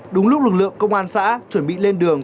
đúng lúc lực lượng công an xã chuẩn bị lên đường